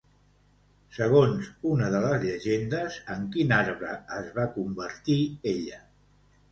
Segons una de les llegendes en quin arbre es va convertir ella?